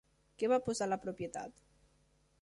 Què va posar la propietat?